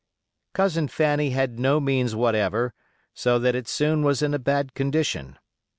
Cousin Fanny had no means whatever, so that it soon was in a bad condition.